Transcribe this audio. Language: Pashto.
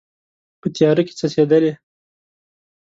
په تیاره کې څڅیدلې